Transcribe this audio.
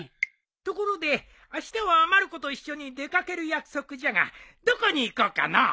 ところであしたはまる子と一緒に出掛ける約束じゃがどこに行こうかのう。